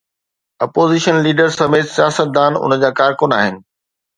Opposition leader سميت سياستدان ان جا ڪارڪن آهن.